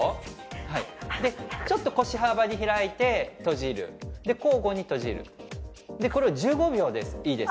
はいでちょっと腰幅に開いて閉じる交互に閉じるこれを１５秒でいいです